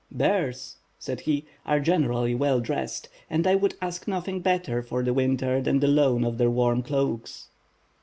"Bears," said he, "are generally well dressed; and I would ask nothing better for the winter than the loan of their warm cloaks.".